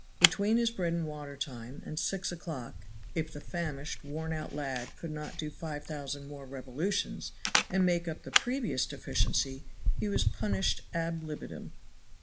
Between his bread and water time and six o'clock if the famished, worn out lad could not do five thousand more revolutions and make up the previous deficiency he was punished ad libitum.